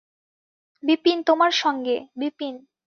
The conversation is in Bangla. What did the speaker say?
বিপিন, তোমার সঙ্গে– বিপিন।